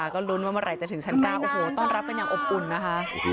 ก็ลุ้นว่าเมื่อไหร่จะถึงชั้น๙โอ้โหต้อนรับกันอย่างอบอุ่นนะคะ